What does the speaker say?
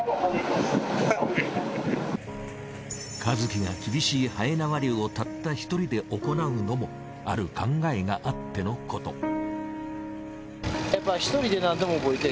和喜が厳しいはえ縄漁をたったひとりで行うのもある考えがあってのこと。